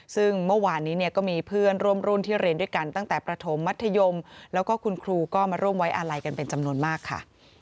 ซึ่งเมื่อวานนี้เนี่ยก็มีเพื่อนร่วมรุ่นที่เรียนด้วยกันตั้งแต่ประถมมัธยมแล้วก็คุณครูก็มาร่วมไว้อาลัยกันเป็นจำนวนมากค่ะ